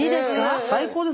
最高です。